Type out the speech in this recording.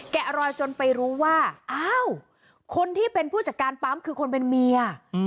แกะรอยจนไปรู้ว่าอ้าวคนที่เป็นผู้จัดการปั๊มคือคนเป็นเมีย